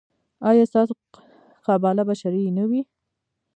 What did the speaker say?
ایا ستاسو قباله به شرعي نه وي؟